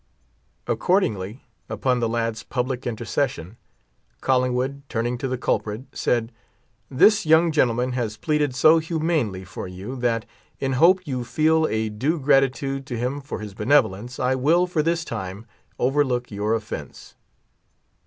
Accordingly, upon the lad's public intercession, Collingwood, turning to the culprit, said, "This young gentleman has pleaded so humanely for you, that, in hope you feel a due gratitude to him for his benevolence, I will, for this time, overlook your offence."